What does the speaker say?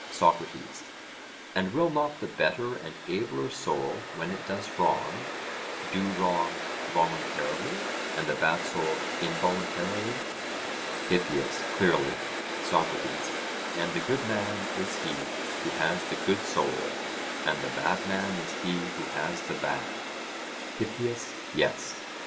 SOCRATES: And will not the better and abler soul when it does wrong, do wrong voluntarily, and the bad soul involuntarily? HIPPIAS: Clearly. SOCRATES: And the good man is he who has the good soul, and the bad man is he who has the bad? HIPPIAS: Yes.